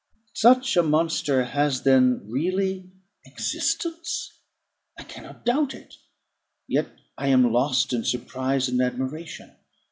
Such a monster has then really existence! I cannot doubt it; yet I am lost in surprise and admiration.